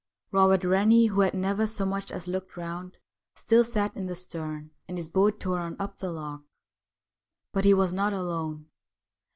Eobert Eennie, who had never so much as looked round, still sat in the stern, and his boat tore on up the loch. But he was not alone.